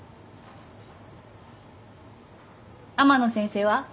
天野先生は？